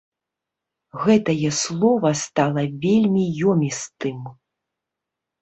Гэтае слова стала вельмі ёмістым.